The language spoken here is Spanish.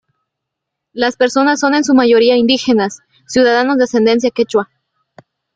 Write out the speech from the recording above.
Las personas son en su mayoría indígenas, ciudadanos de ascendencia quechua.